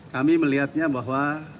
kami melihatnya bahwa